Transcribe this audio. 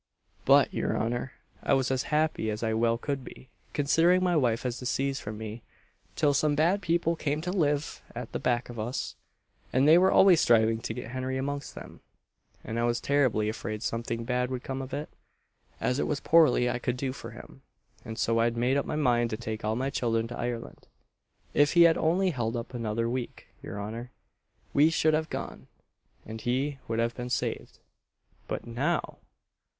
But, your honour, I was as happy as I well could be, considering my wife was deceased from me, till some bad people came to live at the back of us; and they were always striving to get Henry amongst them, and I was terribly afraid something bad would come of it, as it was but poorly I could do for him; and so I'd made up my mind to take all my children to Ireland. If he had only held up another week, your honour, we should have gone, and he would have been saved. But now!